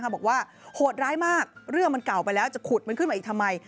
บอกว่าโหดร้ายมากเรื่องมันเก่าไปแล้วจะขุดมันขึ้นมาอีกทำไม